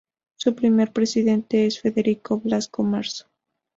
Su primer presidente es Federico Blasco Marzo.